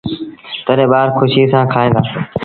تڏهيݩ ٻآر کُشيٚ سآݩ کائيٚݩدآ۔